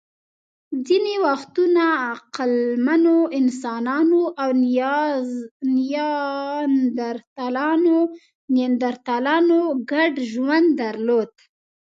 ځینې وختونه عقلمنو انسانانو او نیاندرتالانو ګډ ژوند درلود.